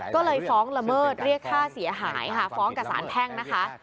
ก็เลยฟ้องละเมิดเรียกค่าเสียหายค่ะฟ้องกับสารแพ่งนะคะ